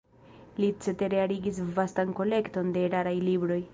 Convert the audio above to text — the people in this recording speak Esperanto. Li cetere arigis vastan kolekton de raraj libroj.